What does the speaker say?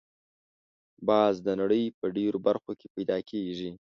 باز د نړۍ په ډېرو برخو کې پیدا کېږي